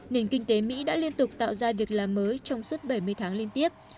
nền kinh tế mỹ đã liên tục tạo ra việc làm mới trong suốt bảy mươi tháng liên tiếp